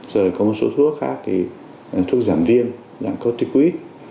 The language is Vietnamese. rồi có một số thuốc khác thì thuốc giảm viên giảm corticoid